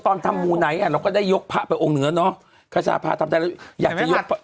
ตอนทำอ่าเราก็ได้ยกผ้าไปองค์เหนือเนอะขจาภาพทำแต่อยากจะยก